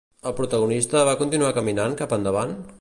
El protagonista va continuar caminant cap endavant?